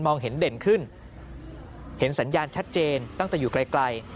เห็นเด่นขึ้นเห็นสัญญาณชัดเจนตั้งแต่อยู่ไกล